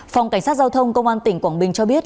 phòng cảnh sát giao thông công an tỉnh quảng bình cho biết